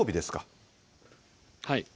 はい。